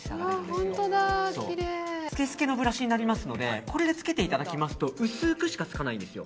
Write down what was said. すけすけのブラシになりますのでこれでつけていただきますと薄くしかつかないんですよ。